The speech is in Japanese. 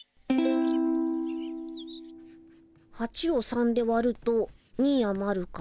８を３でわると２あまるから。